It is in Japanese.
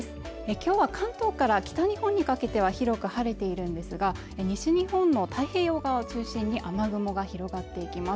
きょうは関東から北日本にかけては広く晴れているんですが西日本の太平洋側を中心に雨雲が広がっていきます